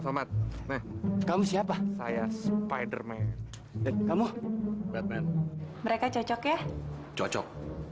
somad kamu siapa saya spider man kamu batman mereka cocok ya cocok